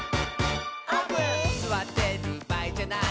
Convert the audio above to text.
「すわってるばあいじゃない」